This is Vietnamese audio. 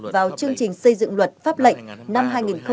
vào chương trình xây dựng luật pháp lệnh năm hai nghìn hai mươi